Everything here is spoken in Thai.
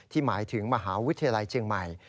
หมายถึงมหาวิทยาลัยเชียงใหม่